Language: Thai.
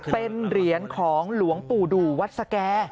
เป็นเหรียญของหลวงปู่ดูวัดสแก่